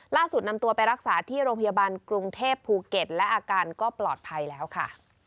ล่าสุดนำตัวไปรักษาที่โรงพยาบาลกรุงเทพภูเก็ตและอาการก็ปลอดภัยแล้วค่ะ